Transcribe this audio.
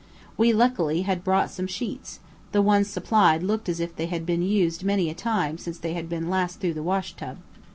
We luckily had brought some sheets; the ones supplied looked as if they had been used many a time since they had last been through the wash tub.